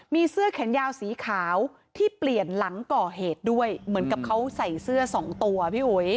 มีเสื้อแขนยาวสีขาวที่เปลี่ยนหลังก่อเหตุด้วยเหมือนกับเขาใส่เสื้อสองตัวพี่อุ๋ย